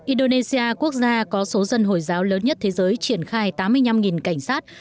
indonesia quốc gia có số dân hồi giáo lớn nhất thế giới triển khai tám mươi năm cảnh sát